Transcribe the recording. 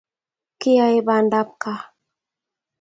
Kiyae bandab kaa